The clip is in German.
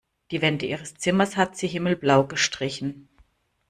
Die Wände ihres Zimmers hat sie himmelblau gestrichen.